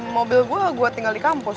mobil gue gue tinggal di kampus